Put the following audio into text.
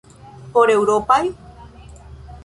Por eŭropaj?